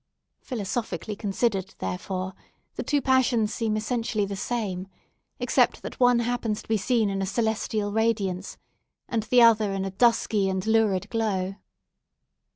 Philosophically considered, therefore, the two passions seem essentially the same, except that one happens to be seen in a celestial radiance, and the other in a dusky and lurid glow.